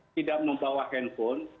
tidak membawa handphone